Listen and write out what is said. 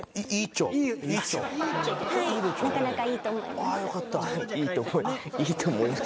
なかなかいいと思います。